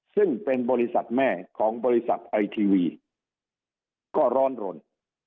ซึ่งเป็นบริษัทแม่ของบริษัทไอทีวีก็ร้อนรน